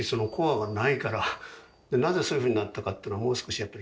なぜそういうふうになったかっていうのをもう少しやっぱり。